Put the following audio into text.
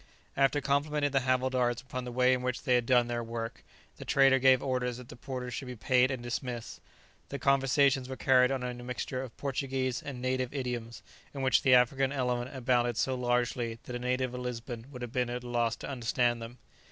After complimenting the havildars upon the way in which they had done their work, the trader gave orders that the porters should be paid and dismissed. The conversations were carried on in a mixture of Portuguese and native idioms, in which the African element abounded so largely that a native of Lisbon would have been at a loss to understand them.